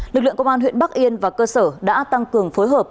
lực lượng công an huyện bắc yên và cơ sở đã tăng cường phối hợp